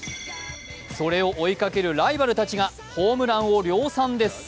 それを追いかけるライバルたちがホームランを量産です。